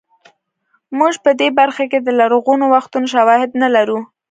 موږ په دې برخه کې د لرغونو وختونو شواهد نه لرو